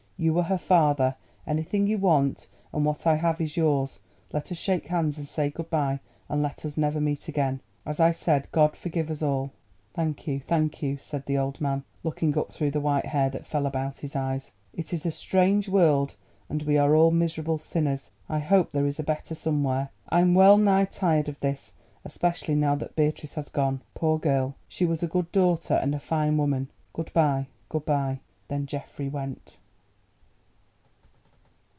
You were her father; anything you want and what I have is yours. Let us shake hands and say good bye, and let us never meet again. As I said, God forgive us all!" "Thank you—thank you," said the old man, looking up through the white hair that fell about his eyes. "It is a strange world and we are all miserable sinners. I hope there is a better somewhere. I'm well nigh tired of this, especially now that Beatrice has gone. Poor girl, she was a good daughter and a fine woman. Good bye. Good bye!" Then Geoffrey went.